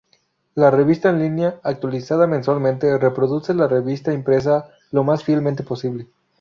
La revista en línea, actualizada mensualmente, reproduce la revista impresa lo más fielmente posible.